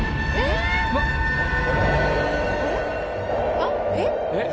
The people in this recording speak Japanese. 「あれ？えっ？」